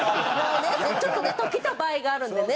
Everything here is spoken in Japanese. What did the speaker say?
ちょっとね時と場合があるんでね。